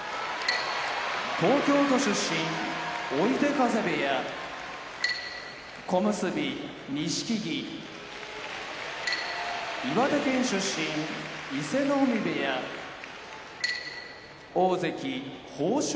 東京都出身追手風部屋小結・錦木岩手県出身伊勢ノ海部屋大関豊昇